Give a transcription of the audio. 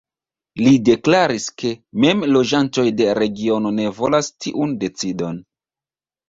Li deklaris ke mem loĝantoj de regiono ne volas tiun decidon.